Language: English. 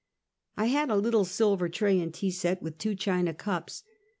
I had a little silver tray and tea set, with two china cups.